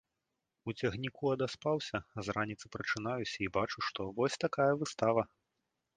У цягніку адаспаўся, з раніцы прачынаюся і бачу, што вось такая выстава.